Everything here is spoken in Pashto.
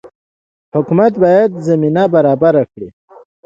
حکومت باید زمینه برابره کړي